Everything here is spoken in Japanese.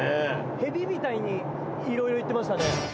蛇みたいにいろいろいってましたね。